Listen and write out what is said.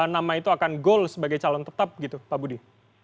nama itu akan goal sebagai calon tetap gitu pak budi